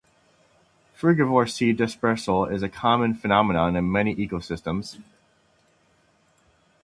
Frugivore seed dispersal is a common phenomenon in many ecosystems.